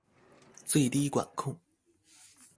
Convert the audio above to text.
最低管控